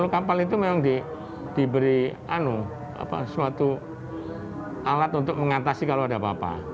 sepuluh kapal itu memang diberi suatu alat untuk mengatasi kalau ada apa apa